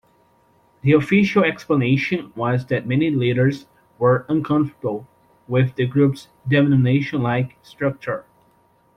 The official explanation was that many leaders were uncomfortable with the group's denomination-like structure.